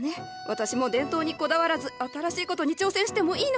私も伝統にこだわらず新しいことに挑戦してもいいのかしら。